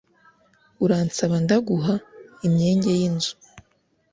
Uransaba ndaguha ?-Imyenge y'inzu.